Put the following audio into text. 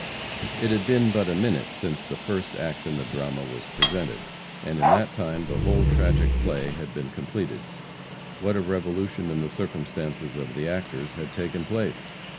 It had been but a minute since the first act in the drama was presented, and in that time the whole tragic play had been completed. What a revolution in the circumstances of the actors had taken place?